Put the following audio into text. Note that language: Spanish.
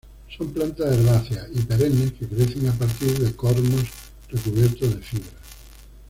Son plantas herbáceas y perennes que crecen a partir de cormos recubiertos de fibras.